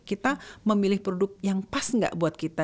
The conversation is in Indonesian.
kita memilih produk yang pas nggak buat kita